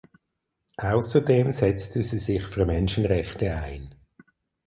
Außerdem setzte sie sich für Menschenrechte ein.